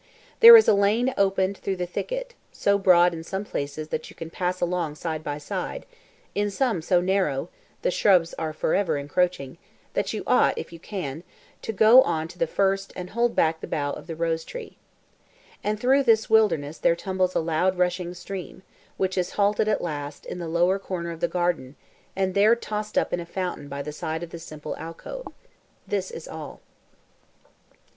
There is a lane opened through the thicket, so broad in some places that you can pass along side by side; in some so narrow (the shrubs are for ever encroaching) that you ought, if you can, to go on the first and hold back the bough of the rose tree. And through this wilderness there tumbles a loud rushing stream, which is halted at last in the lowest corner of the garden, and there tossed up in a fountain by the side of the simple alcove. This is all.